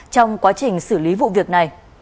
trong quá trình xử lý vụ việc này